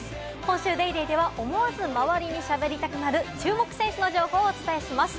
今週『ＤａｙＤａｙ．』では思わず周りにしゃべりたくなる注目選手の情報をお伝えします。